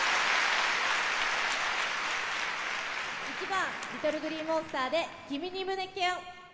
１番ＬｉｔｔｌｅＧｌｅｅＭｏｎｓｔｅｒで「君に、胸キュン。」。